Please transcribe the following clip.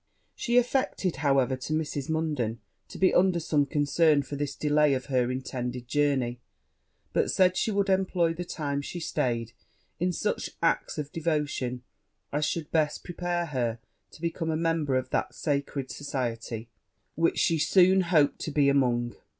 She affected, however, to Mrs. Munden, to be under some concern for this delay of her intended journey; but said she would employ the time she staid in such acts of devotion as should best prepare her to become a member of that sacred society which she soon hoped to be among.